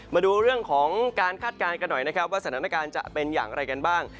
มาดูเรื่องของการคาดการณ์กันหน่อยนะครับว่าสถานการณ์จะเป็นอย่างไรกันบ้าง